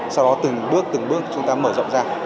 sau đó từng bước từng bước chúng ta mở rộng ra